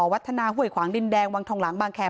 วัฒนาห้วยขวางดินแดงวังทองหลังบางแคร์